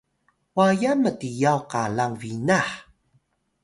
wayan mtiyaw qalang binah